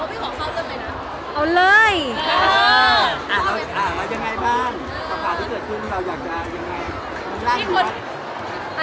อ่ะอย่างไรบ้างสถานที่เกิดขึ้นเราอยากมา